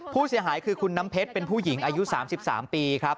ผู้เสียหายคือคุณน้ำเพชรเป็นผู้หญิงอายุ๓๓ปีครับ